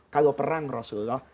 kalau perang rasulullah